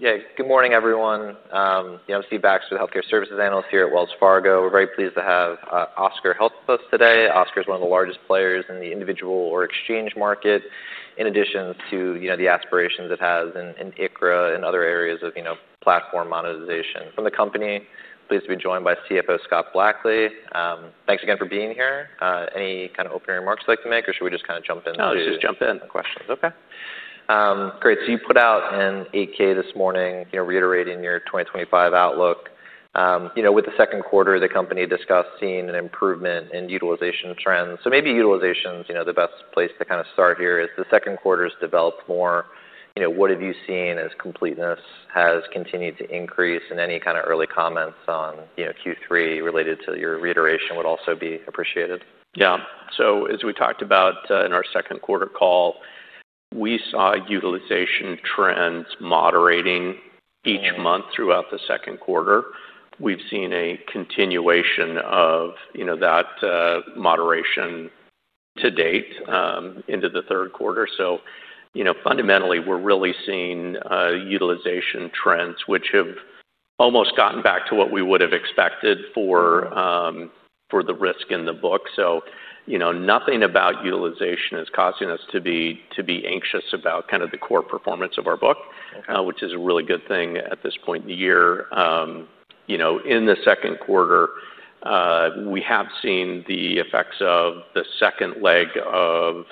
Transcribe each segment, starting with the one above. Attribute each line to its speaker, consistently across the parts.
Speaker 1: Yeah. Good morning, everyone. You know, Stephen Baxter, Healthcare Services Analyst here at Wells Fargo. We're very pleased to have Oscar Health with us today. Oscar's one of the largest players in the individual or exchange market, in addition to, you know, the aspirations it has in ICHRA and other areas of, you know, platform monetization. From the company, pleased to be joined by CFO Scott Blackley. Thanks again for being here. Any kind of opening remarks you'd like to make, or should we just kind of jump in?
Speaker 2: No. Let's just jump in questions.
Speaker 1: Okay. Great. So you put out an 8-K this morning, you know, reiterating your 2025 outlook. You know, with the second quarter, the company discussed seeing an improvement in utilization trends. So maybe utilization's, you know, the best place to kind of start here is the second quarter's developed more. You know, what have you seen as completeness has continued to increase? And any kind of early comments on, you know, Q3 related to your reiteration would also be appreciated.
Speaker 2: Yeah. So as we talked about, in our second quarter call, we saw utilization trends moderating each month throughout the second quarter. We've seen a continuation of, you know, that moderation to date, into the third quarter. So, you know, fundamentally, we're really seeing utilization trends which have almost gotten back to what we would have expected for the risk in the book. So, you know, nothing about utilization is causing us to be anxious about kind of the core performance of our book.
Speaker 1: Okay.
Speaker 2: which is a really good thing at this point in the year. You know, in the second quarter, we have seen the effects of the second leg of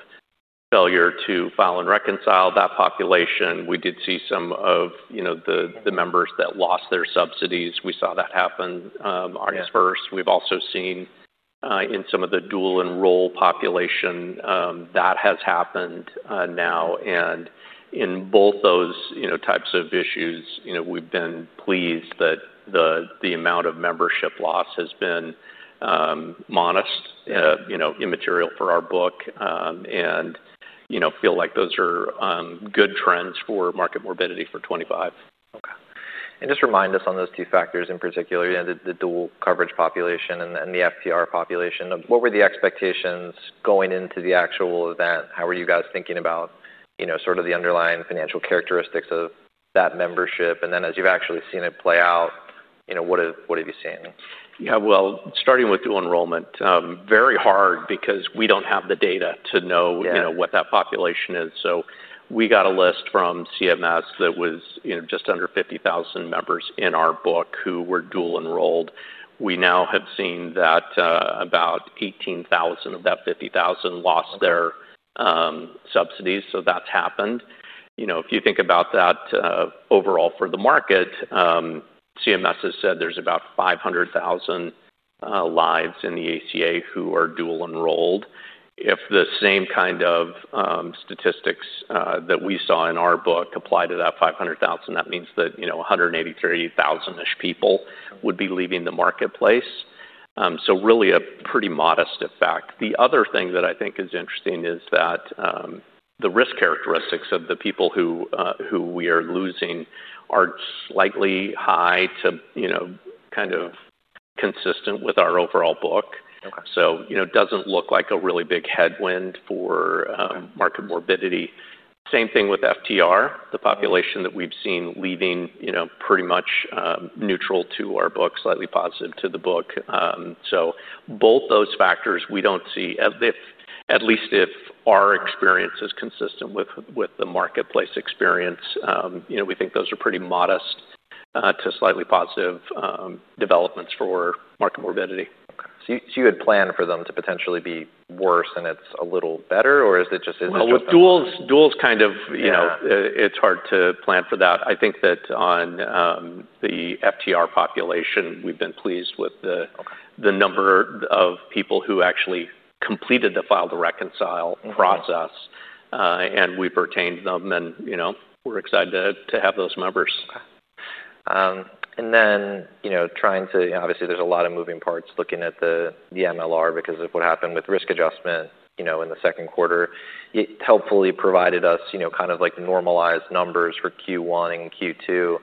Speaker 2: failure to file and reconcile that population. We did see some of, you know, the members that lost their subsidies. We saw that happen, August 1st.
Speaker 1: Yes.
Speaker 2: We've also seen, in some of the dual enrollment population, that has happened now. And in both those, you know, types of issues, you know, we've been pleased that the amount of membership loss has been modest, you know, immaterial for our book. And, you know, feel like those are good trends for market morbidity for 2025.
Speaker 1: Okay. And just remind us on those two factors in particular, you know, the dual coverage population and the FTR population. What were the expectations going into the actual event? How were you guys thinking about, you know, sort of the underlying financial characteristics of that membership? And then as you've actually seen it play out, you know, what have you seen?
Speaker 2: Yeah. Well, starting with dual enrollment, very hard because we don't have the data to know.
Speaker 1: Yeah.
Speaker 2: You know, what that population is. So we got a list from CMS that was, you know, just under 50,000 members in our book who were dual enrolled. We now have seen that, about 18,000 of that 50,000 lost their, subsidies. So that's happened. You know, if you think about that, overall for the market, CMS has said there's about 500,000, lives in the ACA who are dual enrolled. If the same kind of, statistics, that we saw in our book apply to that 500,000, that means that, you know, 183,000-ish people would be leaving the marketplace. So really a pretty modest effect. The other thing that I think is interesting is that, the risk characteristics of the people who we are losing are slightly high to, you know, kind of consistent with our overall book.
Speaker 1: Okay.
Speaker 2: So, you know, it doesn't look like a really big headwind for market morbidity. Same thing with FTR, the population that we've seen leaving, you know, pretty much neutral to our book, slightly positive to the book. So both those factors we don't see, at least if our experience is consistent with the marketplace experience. You know, we think those are pretty modest to slightly positive developments for market morbidity.
Speaker 1: Okay, so you had planned for them to potentially be worse and it's a little better, or is it just? Isn't it just?
Speaker 2: With duals kind of, you know, it's hard to plan for that. I think that on the FTR population, we've been pleased with the.
Speaker 1: Okay.
Speaker 2: The number of people who actually completed the fail to reconcile process.
Speaker 1: Mm-hmm.
Speaker 2: And we've retained them and, you know, we're excited to, to have those members.
Speaker 1: Okay, and then, you know, trying to, obviously, there's a lot of moving parts looking at the MLR because of what happened with risk adjustment, you know, in the second quarter. It helpfully provided us, you know, kind of like normalized numbers for Q1 and Q2.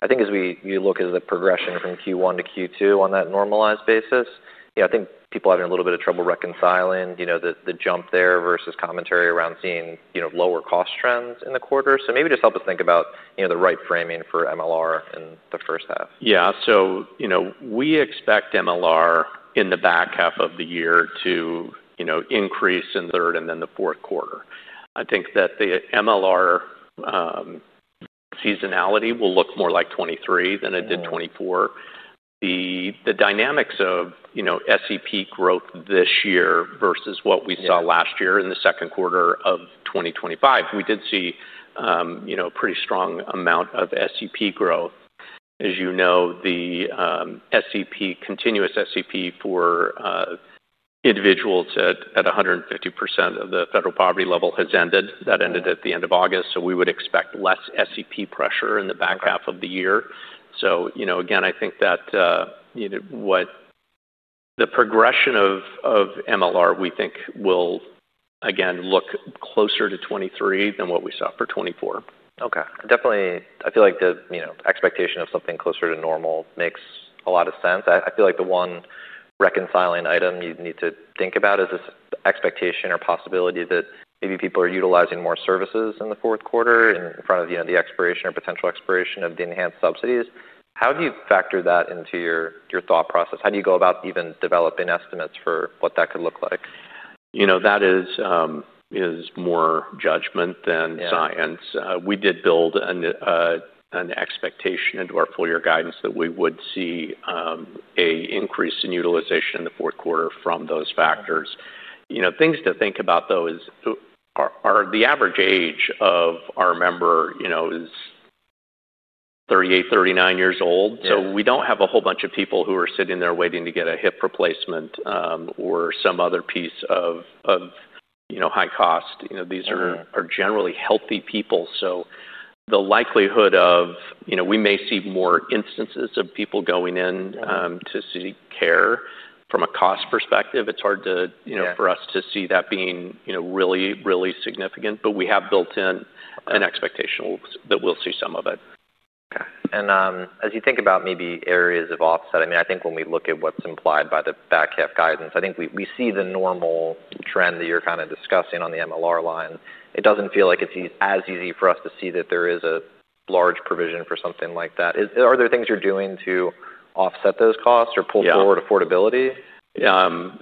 Speaker 1: I think as we look at the progression from Q1 to Q2 on that normalized basis, you know, I think people are having a little bit of trouble reconciling the jump there versus commentary around seeing, you know, lower cost trends in the quarter. So maybe just help us think about, you know, the right framing for MLR in the first half.
Speaker 2: Yeah. So, you know, we expect MLR in the back half of the year to, you know, increase in the third and then the fourth quarter. I think that the MLR seasonality will look more like 2023 than it did 2024.
Speaker 1: Okay.
Speaker 2: The dynamics of, you know, SEP growth this year versus what we saw last year in the second quarter of 2025, we did see, you know, a pretty strong amount of SEP growth. As you know, the continuous SEP for individuals at 150% of the federal poverty level has ended. That ended at the end of August, so we would expect less SEP pressure in the back half of the year, so, you know, again, I think that, you know, what the progression of MLR we think will again look closer to 2023 than what we saw for 2024.
Speaker 1: Okay. Definitely. I feel like the, you know, expectation of something closer to normal makes a lot of sense. I feel like the one reconciling item you'd need to think about is this expectation or possibility that maybe people are utilizing more services in the fourth quarter in front of, you know, the expiration or potential expiration of the enhanced subsidies. How do you factor that into your thought process? How do you go about even developing estimates for what that could look like?
Speaker 2: You know, that is more judgment than science.
Speaker 1: Yeah.
Speaker 2: We did build an expectation into our full-year guidance that we would see an increase in utilization in the fourth quarter from those factors. You know, things to think about though is the average age of our member, you know, is 38, 39 years old.
Speaker 1: Yeah.
Speaker 2: So we don't have a whole bunch of people who are sitting there waiting to get a hip replacement, or some other piece of, you know, high cost. You know, these are.
Speaker 1: Mm-hmm.
Speaker 2: Are generally healthy people. So the likelihood of, you know, we may see more instances of people going in.
Speaker 1: Mm-hmm.
Speaker 2: to seek care from a cost perspective. It's hard to, you know.
Speaker 1: Yeah.
Speaker 2: For us to see that being, you know, really, really significant. But we have built in.
Speaker 1: Okay.
Speaker 2: An expectation that we'll see some of it.
Speaker 1: Okay. And, as you think about maybe areas of offset, I mean, I think when we look at what's implied by the back half guidance, I think we see the normal trend that you're kind of discussing on the MLR line. It doesn't feel like it's as easy for us to see that there is a large provision for something like that. Are there things you're doing to offset those costs or pull forward affordability?
Speaker 2: Yeah.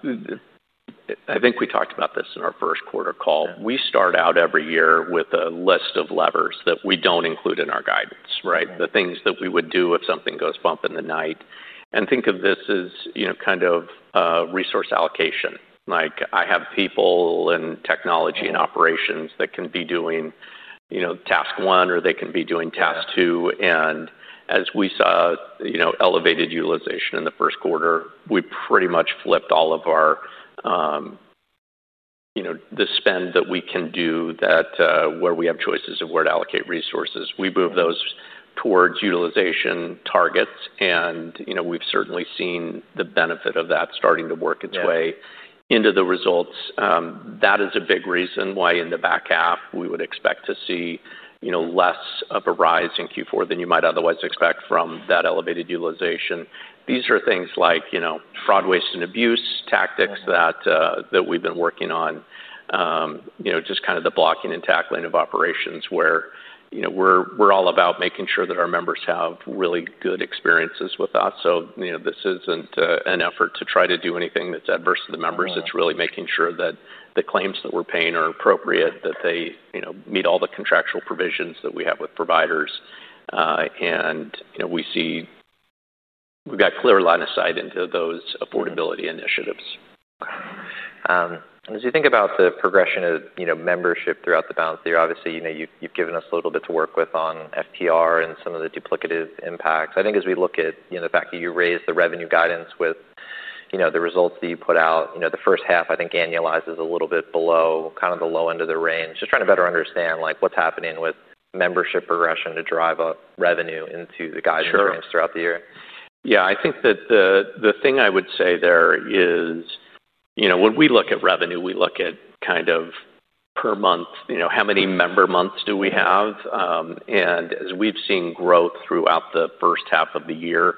Speaker 2: I think we talked about this in our first quarter call.
Speaker 1: Yeah.
Speaker 2: We start out every year with a list of levers that we don't include in our guidance, right?
Speaker 1: Mm-hmm.
Speaker 2: The things that we would do if something goes bump in the night and think of this as, you know, kind of, resource allocation. Like I have people in technology and operations that can be doing, you know, task one or they can be doing task two.
Speaker 1: Mm-hmm.
Speaker 2: And as we saw, you know, elevated utilization in the first quarter. We pretty much flipped all of our, you know, the spend that we can do that, where we have choices of where to allocate resources. We move those towards utilization targets. And, you know, we've certainly seen the benefit of that starting to work its way.
Speaker 1: Yeah.
Speaker 2: Into the results. That is a big reason why in the back half we would expect to see, you know, less of a rise in Q4 than you might otherwise expect from that elevated utilization. These are things like, you know, fraud, waste, and abuse tactics that, that we've been working on. You know, just kind of the blocking and tackling of operations where, you know, we're all about making sure that our members have really good experiences with us. So, you know, this isn't an effort to try to do anything that's adverse to the members.
Speaker 1: Mm-hmm.
Speaker 2: It's really making sure that the claims that we're paying are appropriate, that they, you know, meet all the contractual provisions that we have with providers, and, you know, we see we've got clear line of sight into those affordability initiatives.
Speaker 1: Okay. As you think about the progression of, you know, membership throughout the balance of the year, obviously, you know, you've, you've given us a little bit to work with on FTR and some of the duplicative impacts. I think as we look at, you know, the fact that you raised the revenue guidance with, you know, the results that you put out, you know, the first half, I think annualizes a little bit below kind of the low end of the range. Just trying to better understand, like, what's happening with membership progression to drive up revenue into the guidance?
Speaker 2: Sure.
Speaker 1: Trends throughout the year.
Speaker 2: Yeah. I think that the thing I would say there is, you know, when we look at revenue, we look at kind of per month, you know, how many member months do we have, and as we've seen growth throughout the first half of the year,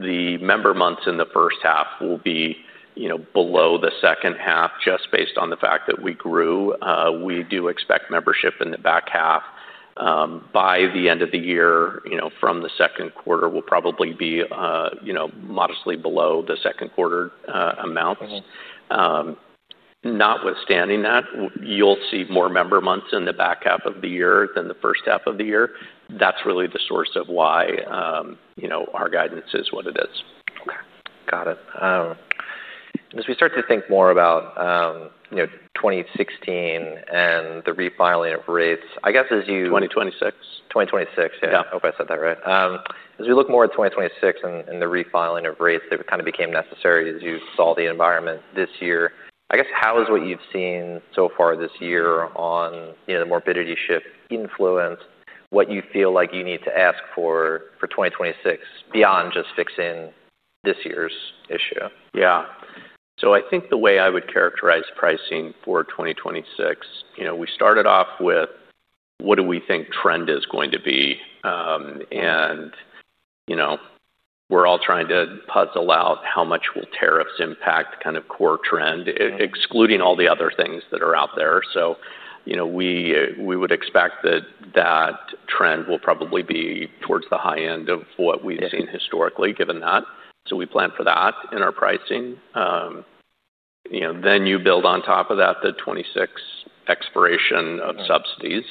Speaker 2: the member months in the first half will be, you know, below the second half just based on the fact that we grew. We do expect membership in the back half, by the end of the year, you know, from the second quarter will probably be, you know, modestly below the second quarter amounts.
Speaker 1: Mm-hmm.
Speaker 2: Notwithstanding that, you'll see more member months in the back half of the year than the first half of the year. That's really the source of why, you know, our guidance is what it is.
Speaker 1: Okay. Got it. As we start to think more about, you know, 2016 and the refiling of rates, I guess as you.
Speaker 2: 2026?
Speaker 1: 2026. Yeah.
Speaker 2: Yeah.
Speaker 1: I hope I said that right. As we look more at 2026 and the refiling of rates that kind of became necessary as you saw the environment this year, I guess how has what you've seen so far this year on, you know, the morbidity shift influenced what you feel like you need to ask for, for 2026 beyond just fixing this year's issue?
Speaker 2: Yeah. So I think the way I would characterize pricing for 2026, you know, we started off with what do we think trend is going to be. And, you know, we're all trying to puzzle out how much will tariffs impact kind of core trend, excluding all the other things that are out there. So, you know, we would expect that trend will probably be towards the high end of what we've seen historically given that. So we plan for that in our pricing. You know, then you build on top of that the '26 expiration of subsidies,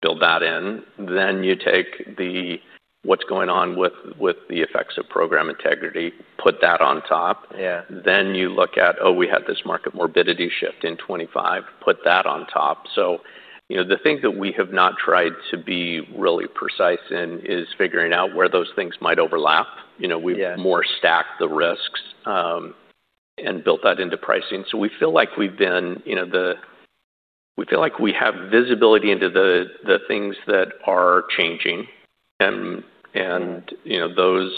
Speaker 2: build that in. Then you take what's going on with the effects of program integrity, put that on top.
Speaker 1: Yeah.
Speaker 2: Then you look at, oh, we had this market morbidity shift in 2025, put that on top. So, you know, the thing that we have not tried to be really precise in is figuring out where those things might overlap. You know, we've.
Speaker 1: Yeah.
Speaker 2: More stacked the risks, and built that into pricing. So we feel like we've been, you know, we feel like we have visibility into the things that are changing and, you know, those.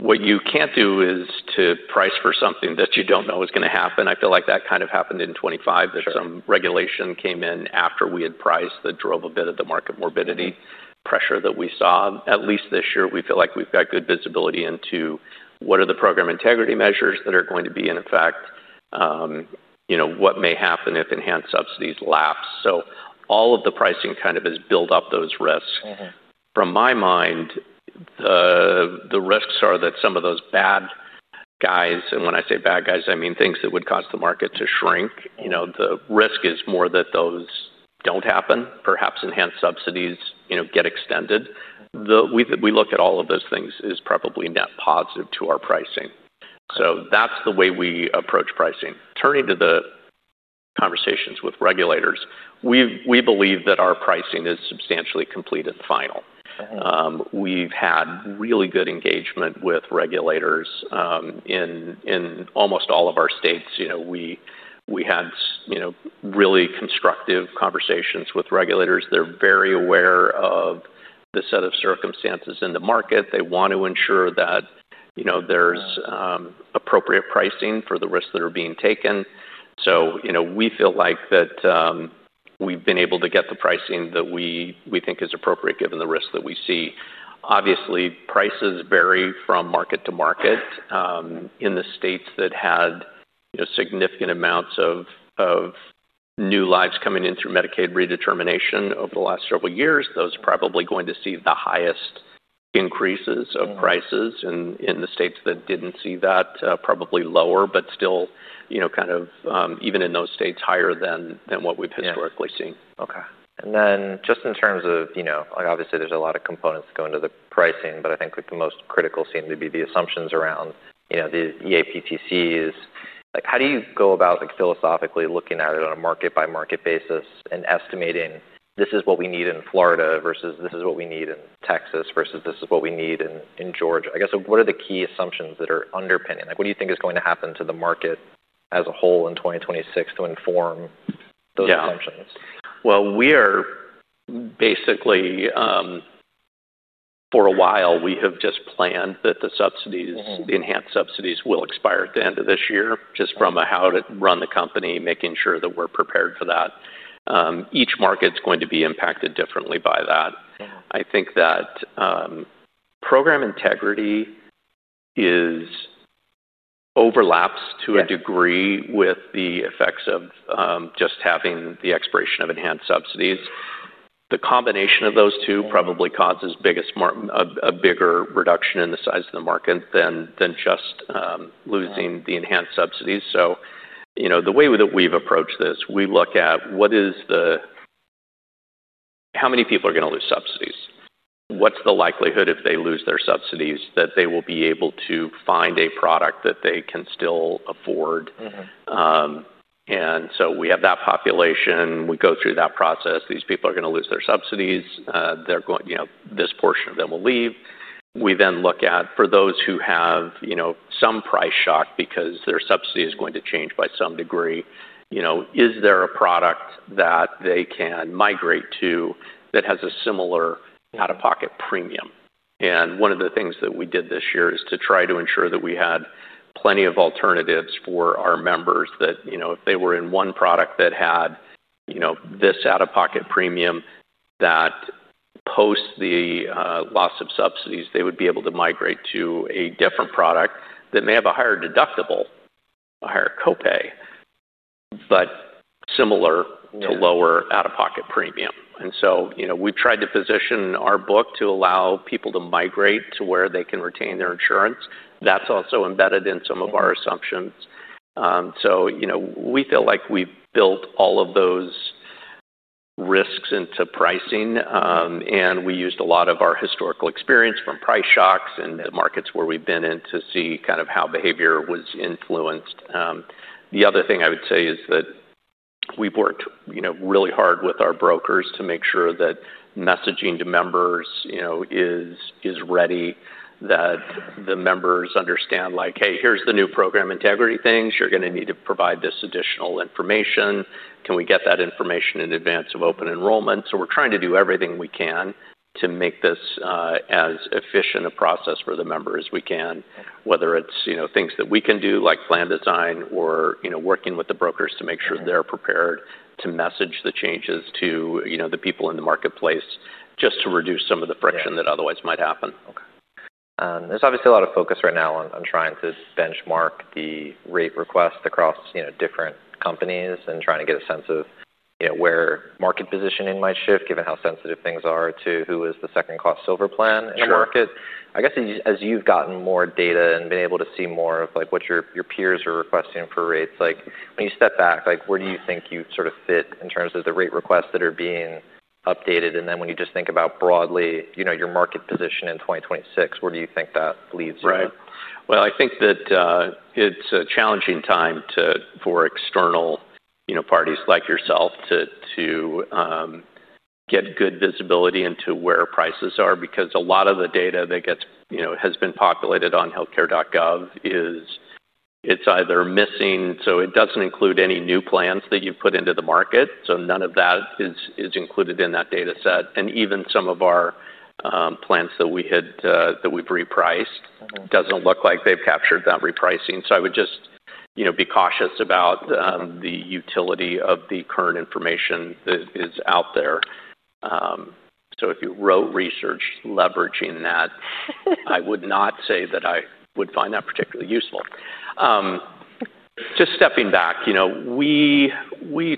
Speaker 2: What you can't do is to price for something that you don't know is gonna happen. I feel like that kind of happened in 2025.
Speaker 1: Sure.
Speaker 2: That some regulation came in after we had priced that drove a bit of the market morbidity pressure that we saw. At least this year, we feel like we've got good visibility into what are the program integrity measures that are going to be in effect, you know, what may happen if enhanced subsidies lapse. So all of the pricing kind of has built up those risks.
Speaker 1: Mm-hmm.
Speaker 2: From my mind, the risks are that some of those bad guys, and when I say bad guys, I mean things that would cause the market to shrink.
Speaker 1: Mm-hmm.
Speaker 2: You know, the risk is more that those don't happen, perhaps enhanced subsidies, you know, get extended. The way that we look at all of those things is probably net positive to our pricing. So that's the way we approach pricing. Turning to the conversations with regulators, we believe that our pricing is substantially complete and final.
Speaker 1: Mm-hmm.
Speaker 2: We've had really good engagement with regulators in almost all of our states. You know, we had really constructive conversations with regulators. They're very aware of the set of circumstances in the market. They want to ensure that you know there's appropriate pricing for the risks that are being taken. So you know we feel like that we've been able to get the pricing that we think is appropriate given the risks that we see. Obviously, prices vary from market to market. In the states that had you know significant amounts of new lives coming in through Medicaid redetermination over the last several years, those are probably going to see the highest increases of prices.
Speaker 1: Mm-hmm.
Speaker 2: In the states that didn't see that, probably lower, but still, you know, kind of, even in those states higher than what we've historically seen.
Speaker 1: Yeah. Okay. And then just in terms of, you know, like, obviously there's a lot of components going into the pricing, but I think like the most critical seem to be the assumptions around, you know, the EAPTCs. Like how do you go about like philosophically looking at it on a market-by-market basis and estimating, this is what we need in Florida versus this is what we need in Texas versus this is what we need in Georgia? I guess what are the key assumptions that are underpinning? Like what do you think is going to happen to the market as a whole in 2026 to inform those assumptions?
Speaker 2: Yeah. Well, we are basically, for a while, we have just planned that the subsidies.
Speaker 1: Mm-hmm.
Speaker 2: The enhanced subsidies will expire at the end of this year just from a how to run the company, making sure that we're prepared for that. Each market's going to be impacted differently by that.
Speaker 1: Mm-hmm.
Speaker 2: I think that program integrity overlaps to a degree.
Speaker 1: Yeah.
Speaker 2: With the effects of just having the expiration of enhanced subsidies. The combination of those two probably causes a bigger reduction in the size of the market than just losing the enhanced subsidies. So, you know, the way that we've approached this, we look at how many people are gonna lose subsidies? What's the likelihood if they lose their subsidies that they will be able to find a product that they can still afford?
Speaker 1: Mm-hmm.
Speaker 2: And so we have that population. We go through that process. These people are gonna lose their subsidies. They're going, you know, this portion of them will leave. We then look at for those who have, you know, some price shock because their subsidy is going to change by some degree, you know, is there a product that they can migrate to that has a similar out-of-pocket premium? And one of the things that we did this year is to try to ensure that we had plenty of alternatives for our members that, you know, if they were in one product that had, you know, this out-of-pocket premium that post the, loss of subsidies, they would be able to migrate to a different product that may have a higher deductible, a higher copay, but similar to lower out-of-pocket premium. And so, you know, we've tried to position our book to allow people to migrate to where they can retain their insurance. That's also embedded in some of our assumptions. So, you know, we feel like we've built all of those risks into pricing. And we used a lot of our historical experience from price shocks and the markets where we've been in to see kind of how behavior was influenced. The other thing I would say is that we've worked, you know, really hard with our brokers to make sure that messaging to members, you know, is ready, that the members understand like, "Hey, here's the new program integrity things. You're gonna need to provide this additional information. Can we get that information in advance of open enrollment?" So we're trying to do everything we can to make this as efficient a process for the members as we can.
Speaker 1: Okay.
Speaker 2: Whether it's, you know, things that we can do like plan design or, you know, working with the brokers to make sure they're prepared to message the changes to, you know, the people in the marketplace just to reduce some of the friction that otherwise might happen.
Speaker 1: Okay. There's obviously a lot of focus right now on trying to benchmark the rate request across, you know, different companies and trying to get a sense of, you know, where market positioning might shift given how sensitive things are to who is the second-lowest cost silver plan in the market.
Speaker 2: Sure.
Speaker 1: I guess as you've gotten more data and been able to see more of like what your peers are requesting for rates, like when you step back, like where do you think you sort of fit in terms of the rate requests that are being updated? And then when you just think about broadly, you know, your market position in 2026, where do you think that leaves you?
Speaker 2: Right. Well, I think that it's a challenging time for external, you know, parties like yourself to get good visibility into where prices are because a lot of the data that gets, you know, has been populated on HealthCare.gov is either missing. So it doesn't include any new plans that you've put into the market. So none of that is included in that data set. And even some of our plans that we had that we've repriced.
Speaker 1: Mm-hmm.
Speaker 2: Doesn't look like they've captured that repricing, so I would just, you know, be cautious about the utility of the current information that is out there, so if you wrote research leveraging that, I would not say that I would find that particularly useful. Just stepping back, you know, we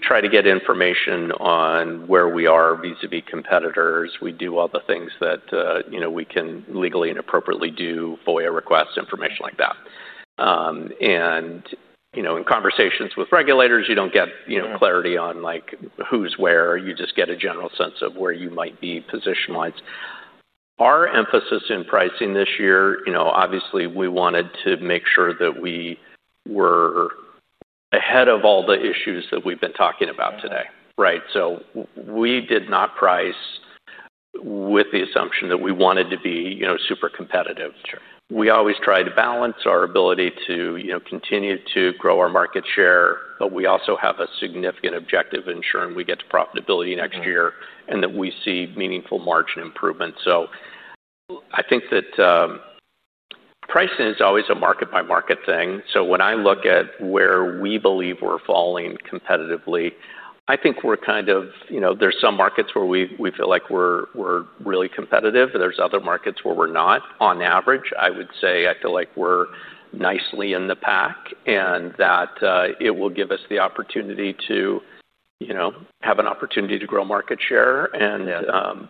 Speaker 2: try to get information on where we are vis-à-vis competitors. We do all the things that, you know, we can legally and appropriately do, FOIA requests, information like that, and, you know, in conversations with regulators, you don't get, you know, clarity on like who's where. You just get a general sense of where you might be position-wise. Our emphasis in pricing this year, you know, obviously we wanted to make sure that we were ahead of all the issues that we've been talking about today.
Speaker 1: Mm-hmm.
Speaker 2: Right. So we did not price with the assumption that we wanted to be, you know, super competitive.
Speaker 1: Sure.
Speaker 2: We always try to balance our ability to, you know, continue to grow our market share, but we also have a significant objective to ensure we get to profitability next year and that we see meaningful margin improvement. So I think that pricing is always a market-by-market thing. So when I look at where we believe we're falling competitively, I think we're kind of, you know, there's some markets where we feel like we're really competitive. There's other markets where we're not. On average, I would say I feel like we're nicely in the pack and that it will give us the opportunity to, you know, have an opportunity to grow market share.
Speaker 1: Yeah.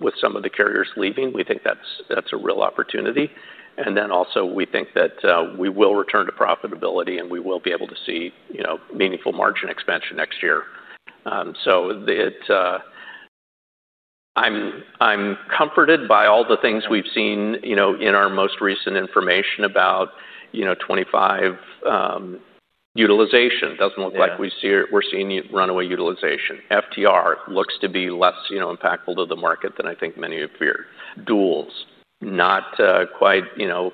Speaker 2: With some of the carriers leaving, we think that's a real opportunity. Then also we think that we will return to profitability and we will be able to see, you know, meaningful margin expansion next year. I'm comforted by all the things we've seen, you know, in our most recent information about, you know, 2025 utilization.
Speaker 1: Mm-hmm.
Speaker 2: Doesn't look like we're seeing runaway utilization. FTR looks to be less, you know, impactful to the market than I think many have feared. Duals not quite, you know,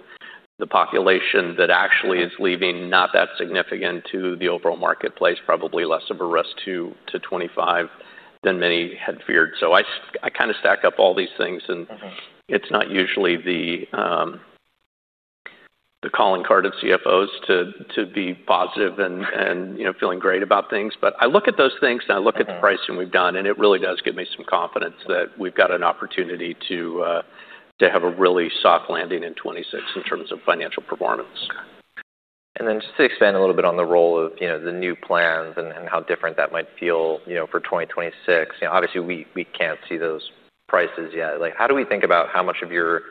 Speaker 2: the population that actually is leaving not that significant to the overall marketplace, probably less of a risk to 2025 than many had feared. So I kind of stack up all these things and.
Speaker 1: Mm-hmm.
Speaker 2: It's not usually the calling card of CFOs to be positive and, you know, feeling great about things. But I look at those things and I look at the pricing we've done, and it really does give me some confidence that we've got an opportunity to have a really soft landing in 2026 in terms of financial performance.
Speaker 1: Okay. And then just to expand a little bit on the role of, you know, the new plans and how different that might feel, you know, for 2026. You know, obviously we can't see those prices yet. Like how do we think about how much of your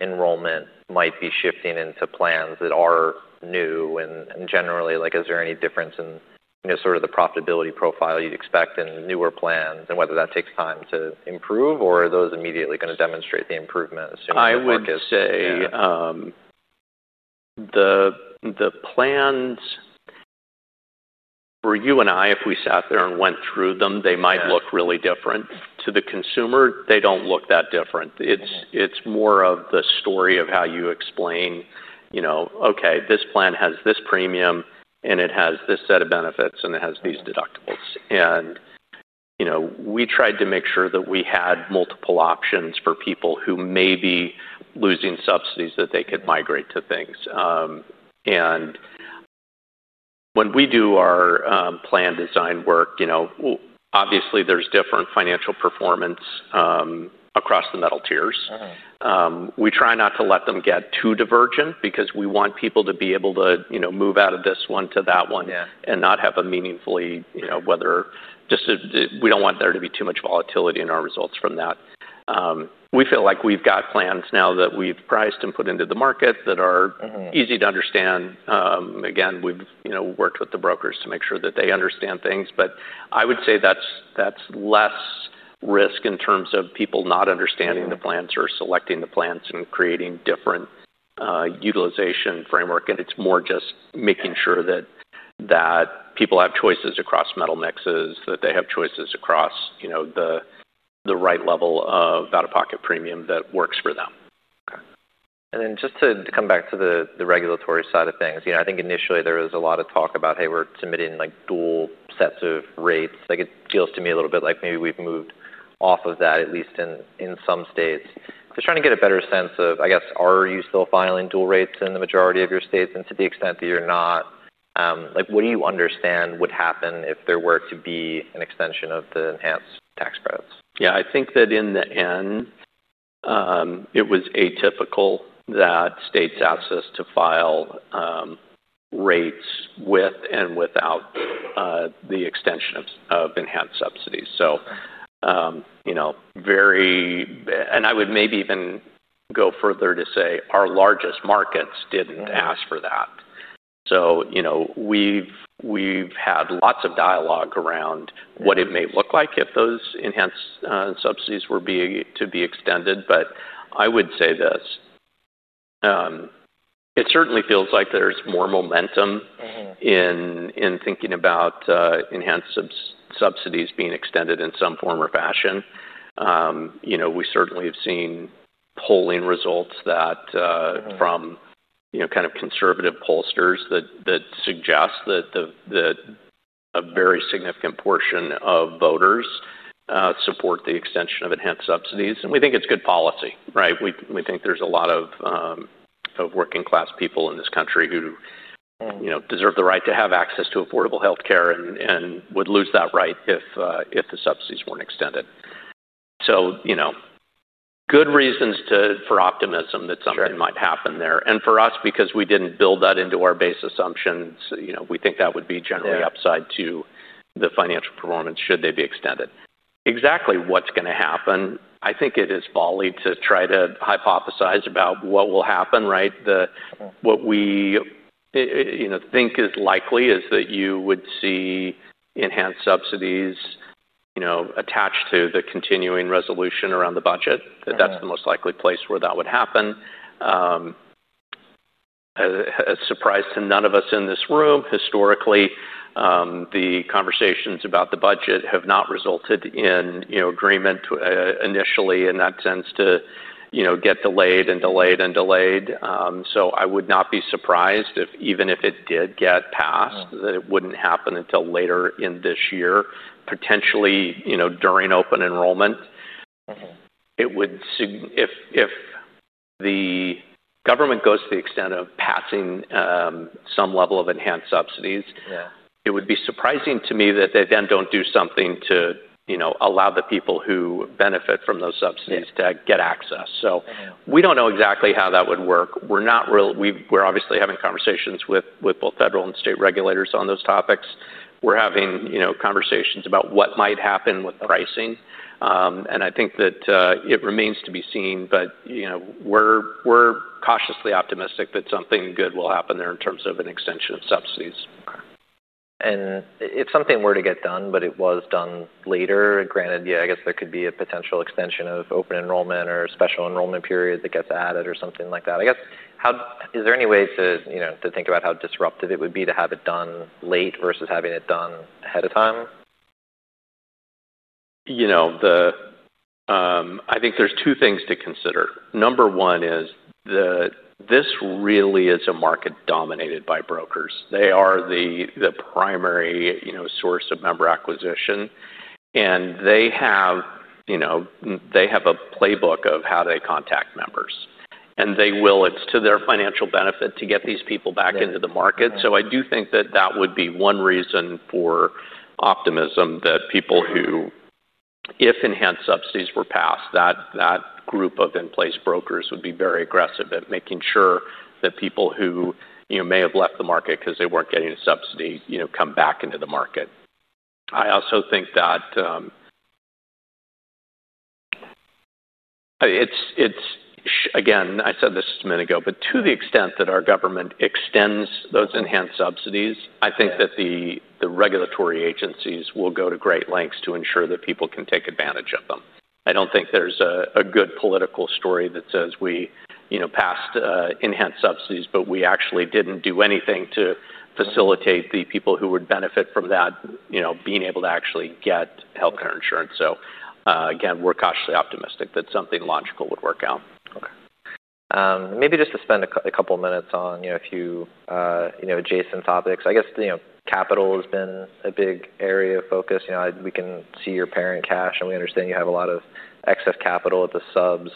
Speaker 1: enrollment might be shifting into plans that are new? And generally like is there any difference in, you know, sort of the profitability profile you'd expect in newer plans and whether that takes time to improve or are those immediately gonna demonstrate the improvement assuming the market's?
Speaker 2: I would say, the plans for you and I, if we sat there and went through them, they might look really different. To the consumer, they don't look that different. It's more of the story of how you explain, you know, okay, this plan has this premium and it has this set of benefits and it has these deductibles. And, you know, we tried to make sure that we had multiple options for people who may be losing subsidies that they could migrate to things. And when we do our plan design work, you know, obviously there's different financial performance across the metal tiers.
Speaker 1: Mm-hmm.
Speaker 2: We try not to let them get too divergent because we want people to be able to, you know, move out of this one to that one.
Speaker 1: Yeah.
Speaker 2: And not have a meaningfully, you know, whether just to we don't want there to be too much volatility in our results from that. We feel like we've got plans now that we've priced and put into the market that are.
Speaker 1: Mm-hmm.
Speaker 2: Easy to understand. Again, we've, you know, worked with the brokers to make sure that they understand things. But I would say that's less risk in terms of people not understanding the plans or selecting the plans and creating different utilization framework. And it's more just making sure that people have choices across metal mixes, that they have choices across, you know, the right level of out-of-pocket premium that works for them.
Speaker 1: Okay. And then just to come back to the regulatory side of things, you know, I think initially there was a lot of talk about, hey, we're submitting like dual sets of rates. Like it feels to me a little bit like maybe we've moved off of that at least in some states. Just trying to get a better sense of, I guess, are you still filing dual rates in the majority of your states? And to the extent that you're not, like what do you understand would happen if there were to be an extension of the enhanced tax credits?
Speaker 2: Yeah. I think that in the end, it was atypical that states asked us to file rates with and without the extension of enhanced subsidies. So, you know, very and I would maybe even go further to say our largest markets didn't ask for that. So, you know, we've had lots of dialogue around what it may look like if those enhanced subsidies were to be extended. But I would say this, it certainly feels like there's more momentum.
Speaker 1: Mm-hmm.
Speaker 2: In thinking about enhanced subsidies being extended in some form or fashion, you know, we certainly have seen polling results that from you know kind of conservative pollsters that suggest that a very significant portion of voters support the extension of enhanced subsidies. And we think it's good policy, right? We think there's a lot of working-class people in this country who you know deserve the right to have access to affordable healthcare and would lose that right if the subsidies weren't extended. So, you know, good reasons for optimism that something might happen there. And for us, because we didn't build that into our base assumptions, you know, we think that would be generally upside to the financial performance should they be extended. Exactly what's gonna happen, I think it is folly to try to hypothesize about what will happen, right? What we, you know, think is likely is that you would see enhanced subsidies, you know, attached to the continuing resolution around the budget.
Speaker 1: Mm-hmm.
Speaker 2: That's the most likely place where that would happen. A surprise to none of us in this room, historically, the conversations about the budget have not resulted in, you know, agreement, initially in that sense to, you know, get delayed and delayed and delayed. I would not be surprised if even if it did get passed, that it wouldn't happen until later in this year, potentially, you know, during open enrollment.
Speaker 1: Mm-hmm.
Speaker 2: It would seem if the government goes to the extent of passing some level of enhanced subsidies.
Speaker 1: Yeah.
Speaker 2: It would be surprising to me that they then don't do something to, you know, allow the people who benefit from those subsidies to get access.
Speaker 1: Mm-hmm.
Speaker 2: So we don't know exactly how that would work. We're not really. We're obviously having conversations with both federal and state regulators on those topics. We're having, you know, conversations about what might happen with pricing, and I think that it remains to be seen, but you know, we're cautiously optimistic that something good will happen there in terms of an extension of subsidies.
Speaker 1: Okay. And if something were to get done, but it was done later, granted, yeah, I guess there could be a potential extension of open enrollment or a special enrollment period that gets added or something like that. I guess how is there any way to, you know, to think about how disruptive it would be to have it done late versus having it done ahead of time?
Speaker 2: You know, I think there's two things to consider. Number one is this really is a market dominated by brokers. They are the primary, you know, source of member acquisition. And they have, you know, they have a playbook of how they contact members. And they will, it's to their financial benefit to get these people back into the market. So I do think that that would be one reason for optimism that people who, if enhanced subsidies were passed, that group of in-place brokers would be very aggressive at making sure that people who, you know, may have left the market 'cause they weren't getting a subsidy, you know, come back into the market. I also think that it's again. I said this a minute ago, but to the extent that our government extends those enhanced subsidies, I think that the regulatory agencies will go to great lengths to ensure that people can take advantage of them. I don't think there's a good political story that says we, you know, passed enhanced subsidies, but we actually didn't do anything to facilitate the people who would benefit from that, you know, being able to actually get healthcare insurance. So, again, we're cautiously optimistic that something logical would work out.
Speaker 1: Okay. Maybe just to spend a couple of minutes on, you know, a few, you know, adjacent topics. I guess, you know, capital has been a big area of focus. You know, we can see your parent cash and we understand you have a lot of excess capital at the subs.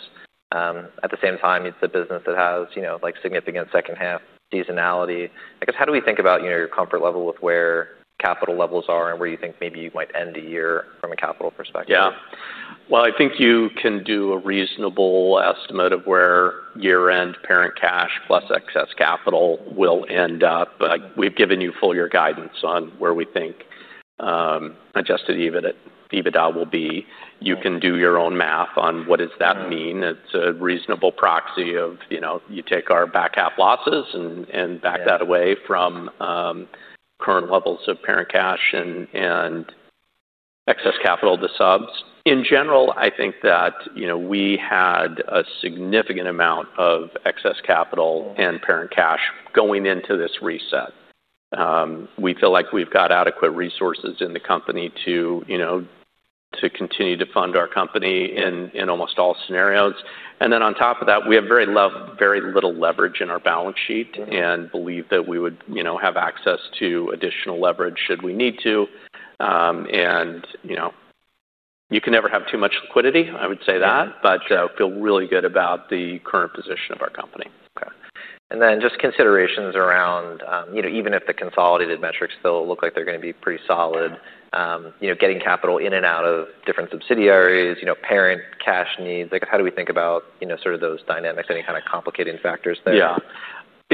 Speaker 1: At the same time, it's a business that has, you know, like significant second half seasonality. I guess how do we think about, you know, your comfort level with where capital levels are and where you think maybe you might end the year from a capital perspective?
Speaker 2: Yeah. Well, I think you can do a reasonable estimate of where year-end parent cash plus excess capital will end up. Like, we've given you full year guidance on where we think adjusted EBITDA will be. You can do your own math on what does that mean. It's a reasonable proxy of, you know, you take our back half losses and back that away from current levels of parent cash and excess capital to subs. In general, I think that, you know, we had a significant amount of excess capital and parent cash going into this reset. We feel like we've got adequate resources in the company to, you know, to continue to fund our company in almost all scenarios. And then on top of that, we have very low, very little leverage in our balance sheet and believe that we would, you know, have access to additional leverage should we need to. And, you know, you can never have too much liquidity. I would say that. But feel really good about the current position of our company.
Speaker 1: Okay. And then just considerations around, you know, even if the consolidated metrics still look like they're gonna be pretty solid, you know, getting capital in and out of different subsidiaries, you know, parent cash needs, like how do we think about, you know, sort of those dynamics, any kind of complicating factors there?
Speaker 2: Yeah.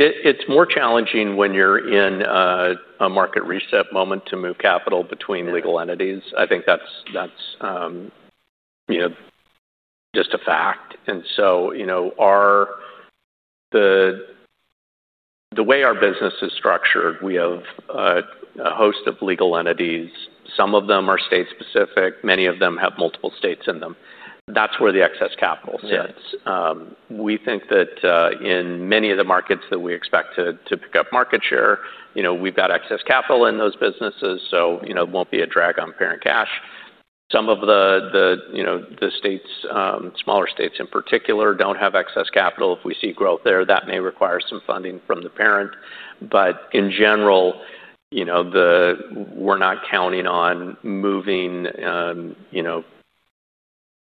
Speaker 2: It's more challenging when you're in a market reset moment to move capital between legal entities. I think that's you know just a fact. And so, you know, the way our business is structured, we have a host of legal entities. Some of them are state-specific. Many of them have multiple states in them. That's where the excess capital sits.
Speaker 1: Mm-hmm.
Speaker 2: We think that, in many of the markets that we expect to pick up market share, you know, we've got excess capital in those businesses. So, you know, it won't be a drag on parent cash. Some of the smaller states in particular don't have excess capital. If we see growth there, that may require some funding from the parent. But in general, you know, we're not counting on moving, you know,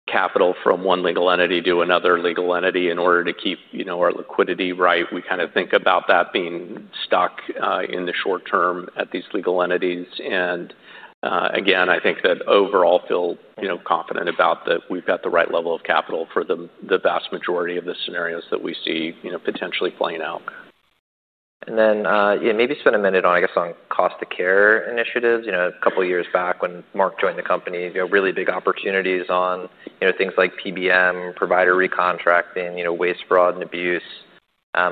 Speaker 2: capital from one legal entity to another legal entity in order to keep, you know, our liquidity right. We kind of think about that being stuck in the short term at these legal entities. And, again, I think that overall we feel, you know, confident about that we've got the right level of capital for the vast majority of the scenarios that we see, you know, potentially playing out.
Speaker 1: And then, yeah, maybe spend a minute on, I guess, on cost of care initiatives. You know, a couple of years back when Mark joined the company, you know, really big opportunities on, you know, things like PBM, provider recontracting, you know, waste, fraud, and abuse.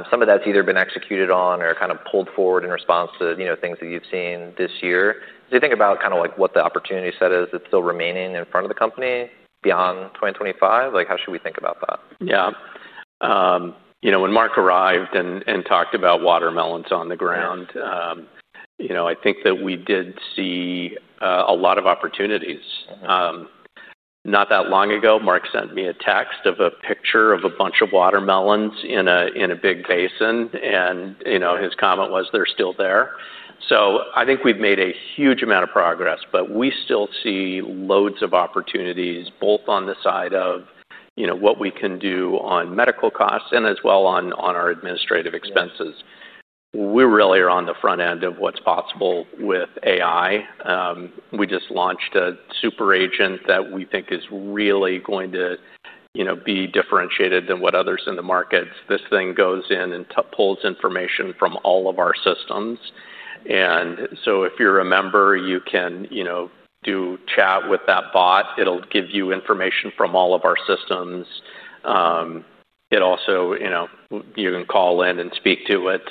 Speaker 1: Some of that's either been executed on or kind of pulled forward in response to, you know, things that you've seen this year. Do you think about kind of like what the opportunity set is that's still remaining in front of the company beyond 2025? Like, how should we think about that?
Speaker 2: Yeah, you know, when Mark arrived and talked about watermelons on the ground, you know, I think that we did see a lot of opportunities.
Speaker 1: Mm-hmm.
Speaker 2: Not that long ago, Mark sent me a text of a picture of a bunch of watermelons in a big basin. And, you know, his comment was they're still there. So I think we've made a huge amount of progress, but we still see loads of opportunities both on the side of, you know, what we can do on medical costs and as well on our administrative expenses. We really are on the front end of what's possible with AI. We just launched a super agent that we think is really going to, you know, be differentiated than what others in the markets. This thing goes in and pulls information from all of our systems. And so if you're a member, you can, you know, do chat with that bot. It'll give you information from all of our systems. It also, you know, you can call in and speak to it,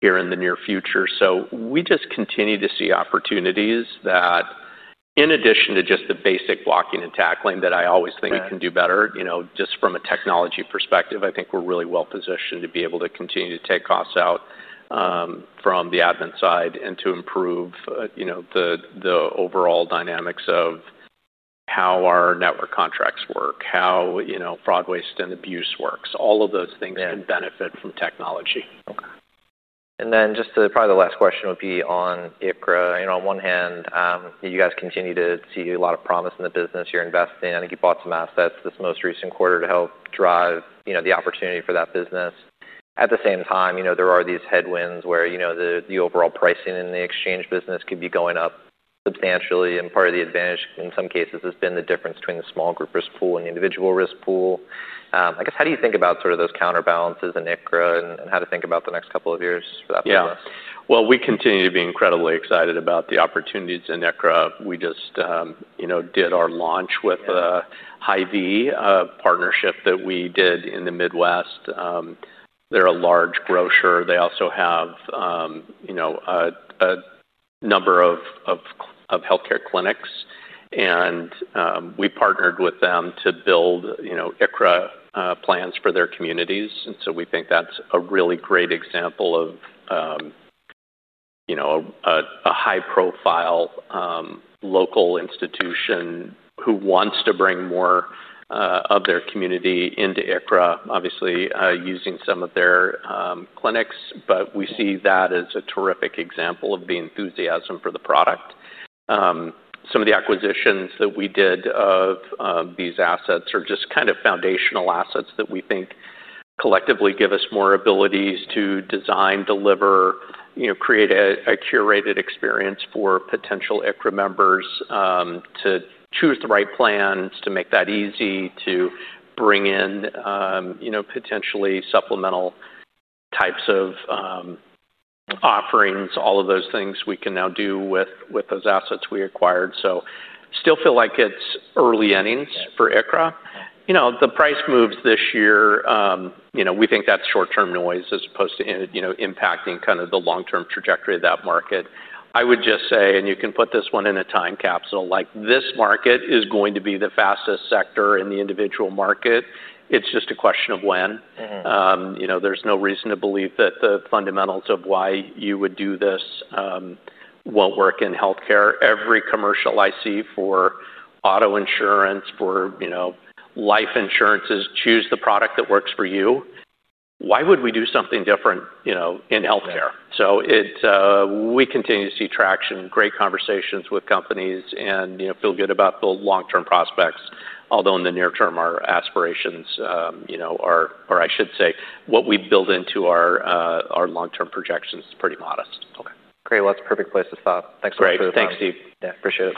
Speaker 2: here in the near future. So we just continue to see opportunities that, in addition to just the basic blocking and tackling that I always think we can do better, you know, just from a technology perspective, I think we're really well positioned to be able to continue to take costs out, from the admin side and to improve, you know, the overall dynamics of how our network contracts work, how, you know, fraud, waste, and abuse works. All of those things can benefit from technology.
Speaker 1: Okay. And then just to probably the last question would be on ICHRA. You know, on one hand, you guys continue to see a lot of promise in the business. You're investing. I think you bought some assets this most recent quarter to help drive, you know, the opportunity for that business. At the same time, you know, there are these headwinds where, you know, the overall pricing in the exchange business could be going up substantially. And part of the advantage in some cases has been the difference between the small group risk pool and the individual risk pool. I guess how do you think about sort of those counterbalances in ICHRA and how to think about the next couple of years for that business?
Speaker 2: Yeah. Well, we continue to be incredibly excited about the opportunities in ICHRA. We just, you know, did our launch with Hy-Vee, a partnership that we did in the Midwest. They're a large grocer. They also have, you know, a number of healthcare clinics, and we partnered with them to build, you know, ICHRA plans for their communities, and so we think that's a really great example of, you know, a high-profile local institution who wants to bring more of their community into ICHRA, obviously using some of their clinics, but we see that as a terrific example of the enthusiasm for the product. Some of the acquisitions that we did of these assets are just kind of foundational assets that we think collectively give us more abilities to design, deliver, you know, create a curated experience for potential ICHRA members, to choose the right plans, to make that easy, to bring in, you know, potentially supplemental types of offerings, all of those things we can now do with those assets we acquired. So still feel like it's early innings for ICHRA. You know, the price moves this year, you know, we think that's short-term noise as opposed to, you know, impacting kind of the long-term trajectory of that market. I would just say, and you can put this one in a time capsule, like this market is going to be the fastest sector in the individual market. It's just a question of when.
Speaker 1: Mm-hmm.
Speaker 2: You know, there's no reason to believe that the fundamentals of why you would do this won't work in healthcare. Every commercial I see for auto insurance, for, you know, life insurance choose the product that works for you. Why would we do something different, you know, in healthcare? So, we continue to see traction, great conversations with companies, and, you know, feel good about the long-term prospects. Although in the near term, our aspirations, you know, are, or I should say what we build into our, our long-term projections is pretty modest.
Speaker 1: Okay. Great. Well, that's a perfect place to stop. Thanks so much for the time.
Speaker 2: Great. Thanks, Steve.
Speaker 1: Yeah. Appreciate it.